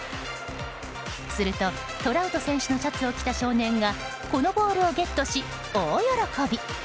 すると、トラウト選手のシャツを着た少年がこのボールをゲットし、大喜び。